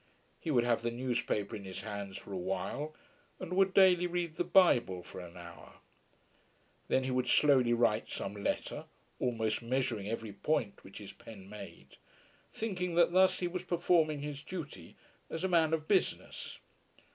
He would have the newspaper in his hands for a while, and would daily read the Bible for an hour. Then he would slowly write some letter, almost measuring every point which his pen made, thinking that thus he was performing his duty as a man of business.